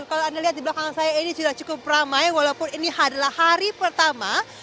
kalau anda lihat di belakang saya ini sudah cukup ramai walaupun ini adalah hari pertama